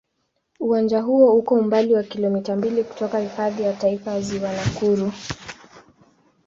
Uwanja huo uko umbali wa kilomita mbili kutoka Hifadhi ya Taifa ya Ziwa Nakuru.